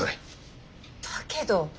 だけど。